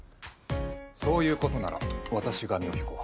そういうことなら私が身を引こう。